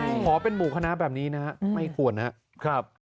ใช่หมอเป็นหมู่คณะแบบนี้นะไม่ควรนะครับ